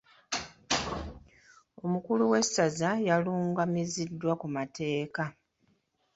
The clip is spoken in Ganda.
Omukulu w'essaza yalungamiziddwa ku mateeka.